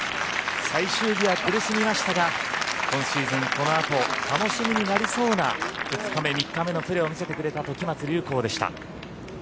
最終日は苦しみましたが今シーズン、このあと楽しみになりそうな２日目３日目のプレーを見せてくれた時松隆光でした。